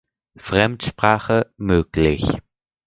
Fremdsprache möglich.